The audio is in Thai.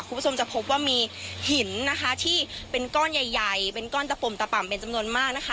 คุณผู้ชมจะพบว่ามีหินนะคะที่เป็นก้อนใหญ่ใหญ่เป็นก้อนตะปุ่มตะป่ำเป็นจำนวนมากนะคะ